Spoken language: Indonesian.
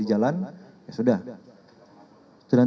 beritahu aja kalau koper ini adalah berisi penjajah